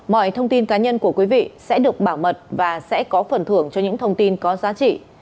mọi thông tin cá nhân của quý vị sẽ được bảo mật và sẽ có phần thưởng cho những thông tin có giá trị